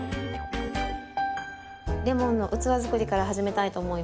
レモンの器作りから始めたいと思います。